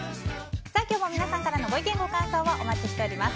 今日も、皆さんからのご意見ご感想をお待ちしています。